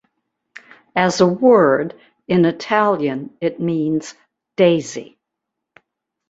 As a word, in Italian it means "daisy".